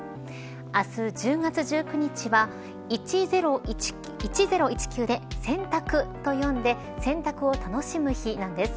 明日、１０月１９日は１０１９でせんたくと読んで洗濯を楽しむ日なんです。